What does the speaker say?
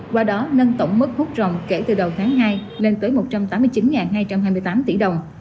qua đó nâng tổng mức hút rồng kể từ đầu tháng hai lên tới một trăm tám mươi chín hai trăm hai mươi tám tỷ đồng